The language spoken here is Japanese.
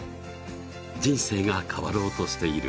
人生が変わろうとしている。